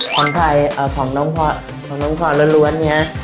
ของใครเอ่อของน้องพอร์ของน้องพอร์ร้อนร้วนเนี้ย